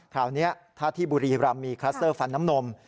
คราวนี้ถ้าที่บุรีรำมีคลัสเตอร์ฟันน้ำนม